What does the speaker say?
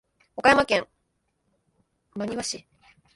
岡山県真庭市